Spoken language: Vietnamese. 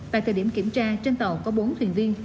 tại thời điểm kiểm tra trên tàu có bốn thuyền viên